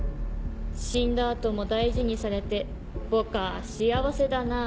死んだ後も大事にされてぼかぁ幸せだなぁ」。